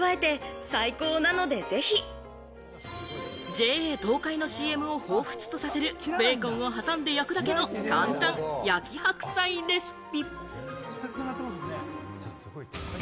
ＪＡ東海のＣＭをほうふつとさせるベーコンを挟んで焼くだけの簡単焼き白菜レシピ。